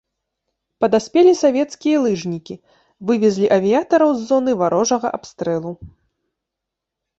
Падаспелі савецкія лыжнікі, вывезлі авіятараў з зоны варожага абстрэлу.